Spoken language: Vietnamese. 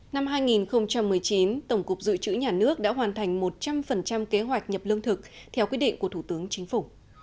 năm hai nghìn một mươi chín tổng cục dự trữ nhà nước đã hoàn thành một trăm linh kế hoạch nhập lương thực theo quyết định của thủ tướng chính phủ